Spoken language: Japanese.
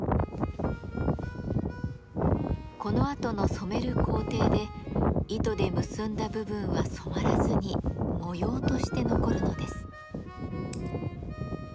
このあとの染める工程で糸で結んだ部分は染まらずに模様として残るのです。